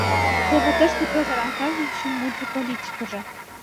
— Теве тыште Петр Аркадьевичын мудрый политикыже...